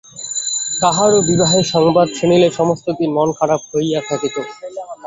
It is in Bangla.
কাহারো বিবাহের সংবাদ শুনিলে সমস্ত দিন মন খারাপ হইয়া থাকিত।